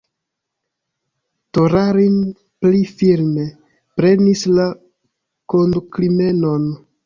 Torarin pli ﬁrme prenis la kondukrimenon.